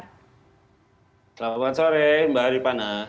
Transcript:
selamat sore mbak haripana